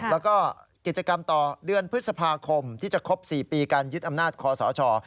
แล้วก็กิจกรรมต่อเดือนพฤษภาคมที่จะครบ๔ปีการยึดอำนาจคอสช